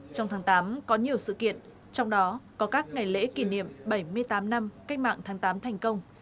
trong tháng tám có nhiều sự kiện trong đó có các ngày lễ kỷ niệm bảy mươi tám năm cách mạng tháng tám thành công